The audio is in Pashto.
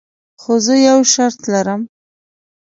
خو زه یو شرط لرم.